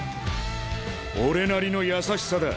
俺なりの優しさだ。